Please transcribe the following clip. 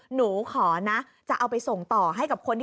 หนูขอนะจะเอาไปส่งต่อให้กับคน